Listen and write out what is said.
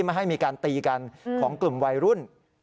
ไม่ให้มีการตีกันของกลุ่มวัยรุ่น